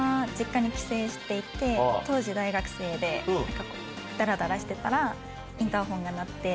当時大学生でダラダラしてたらインターホンが鳴って。